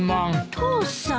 父さん。